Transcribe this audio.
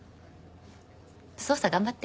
捜査頑張って。